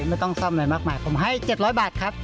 ไม่ต้องซ่อมอะไรมากมายผมให้๗๐๐บาทครับ